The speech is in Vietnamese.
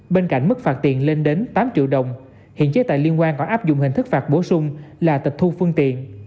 bên cạnh mức phạt tiền lên đến tám triệu đồng hiện chế tài liên quan còn áp dụng hình thức phạt bổ sung là tịch thu phương tiện